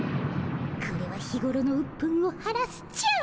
これは日ごろのうっぷんを晴らすチャンス。